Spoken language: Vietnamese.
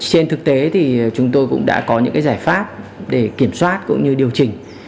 trên thực tế thì chúng tôi cũng đã có những giải pháp để kiểm soát cũng như điều chỉnh